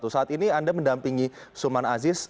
saat ini anda mendampingi sulman aziz